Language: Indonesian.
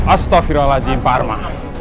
astagfirollah aladzim pak harman